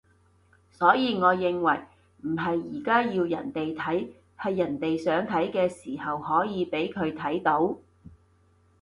所以我認為唔係而家要人哋睇，係人哋想睇嘅時候可以畀佢睇到